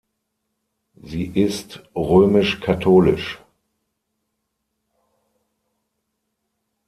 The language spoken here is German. Sie ist römisch-katholisch.